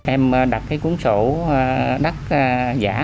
em đặt cái cuốn sổ đắt giả